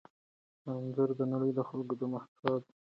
انځور د نړۍ خلکو ته د مذهبي ارزښتونو اهمیت ښيي.